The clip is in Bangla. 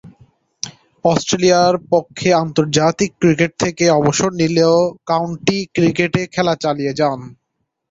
অস্ট্রেলিয়ার পক্ষে আন্তর্জাতিক ক্রিকেট থেকে অবসর নিলেও কাউন্টি ক্রিকেটে খেলা চালিয়ে যান।